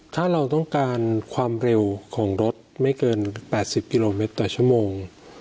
ถ้าเราต้องการความเร็วของรถไม่เกิน๘๐กิโลเมตรต่อชั่วโมง